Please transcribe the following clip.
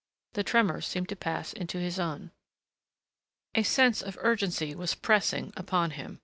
The tremors seemed to pass into his own. A sense of urgency was pressing upon him.